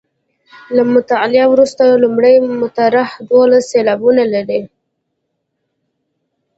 له مطلع وروسته لومړۍ مصرع دولس سېلابونه لري.